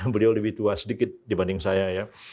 beliau lebih tua sedikit dibanding saya ya